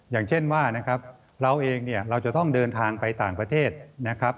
อย่างเช่นว่านะครับเราเองเนี่ยเราจะต้องเดินทางไปต่างประเทศนะครับ